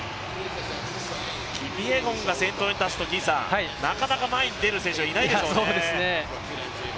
キピエゴンが先頭に立つとなかなか前に出る選手はいないでしょうね。